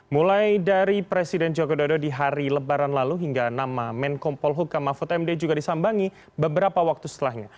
mulai dari presiden joko dodo di hari lebaran lalu hingga nama menko polhuka mahfud md juga disambangi beberapa waktu setelahnya